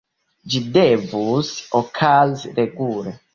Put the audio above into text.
Ĝi devus okazi regule.